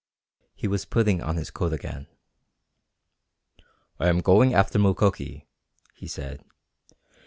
He was putting on his coat again. "I am going after Mukoki," he said.